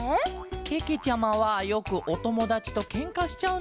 けけちゃまはよくおともだちとけんかしちゃうんだケロ。